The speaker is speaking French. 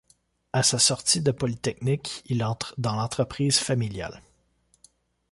À sa sortie de Polytechnique, il entre dans l'entreprise familiale.